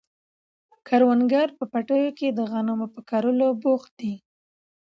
کروندګر په پټیو کې د غنمو په کرلو بوخت دي.